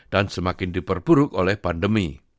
dan semakin diperburuk oleh pandemi